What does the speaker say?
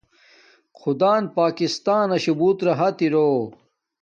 خدان پاکستاناشو بوت راحت ارو